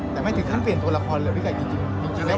แต่ไม่ถึงขั้นเปลี่ยนตัวละครเหรอพี่ไก่จริง